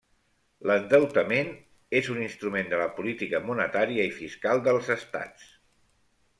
L'endeutament és un instrument de la política monetària i fiscal dels estats.